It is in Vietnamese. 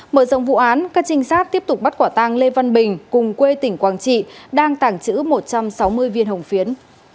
mở rộng vụ án các trinh sát tiếp tục bắt quả tàng lê văn bình cùng quê tỉnh quảng trị đang tàng trữ một trăm sáu mươi viên hồng phiến